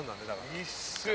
一瞬。